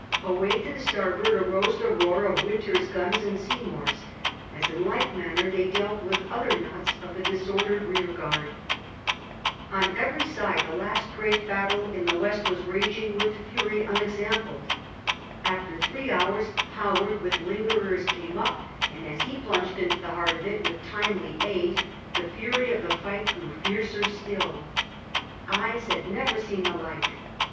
Away to the starboard arose the roar of Wynter's guns and Seymour's, as in like manner they dealt with other knots of the disordered rearguard. On every side the last great battle in the west i68 SIR FRANCIS DRAKE chap. was raging with fury unexampled. After three hours Howard with the lingerers came up, and as he plunged into the heart of it with timely aid the fury of the fight grew fiercer still. Eyes had never seen the like.